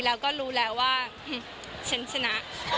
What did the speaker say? แล้วก็รู้แล้วว่าฉันชนะ